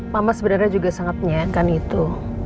mama sebenarnya juga sangat menyayangkan itu